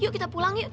yuk kita pulang yuk